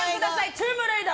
トーゥムレイダー！